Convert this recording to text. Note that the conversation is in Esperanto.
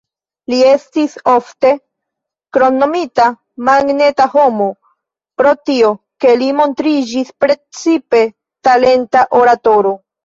Li estis ofte kromnomita "magneta homo" pro tio, ke li montriĝis precipe talenta oratoro.